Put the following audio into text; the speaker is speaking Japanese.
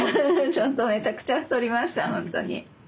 ちょっとめちゃくちゃ太りましたほんとに。